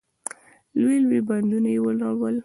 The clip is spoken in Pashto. لوی لوی بندونه يې ونړول.